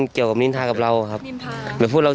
ครับผม